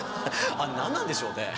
あれ何なんでしょうね